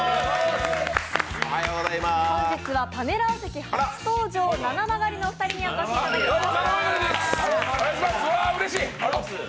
本日はパネラー席初登場、ななまがりのお二人にお越しいただきました。